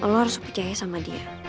allah harus percaya sama dia